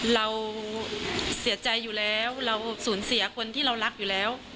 เราเสียใจอยู่แล้วเราสูญเสียคนที่เรารักอยู่แล้ว